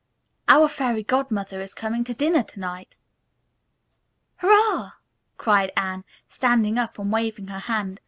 "Our fairy godmother is coming to dinner to night." "Hurrah!" cried Anne, standing up and waving her hand.